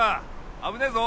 危ねえぞ。